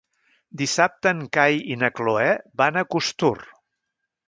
Dissabte en Cai i na Cloè van a Costur.